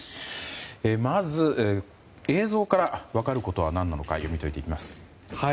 まず、映像から分かることは何なのか読み解きます。